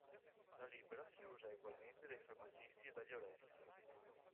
La libbra si usa egualmente dai farmacisti e dagli orefici.